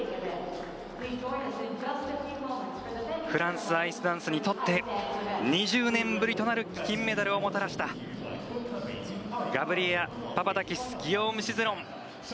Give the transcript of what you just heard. フランス、アイスダンスにとって２０年ぶりとなる金メダルをもたらしたガブリエラ・パパダキスギヨーム・シゼロン。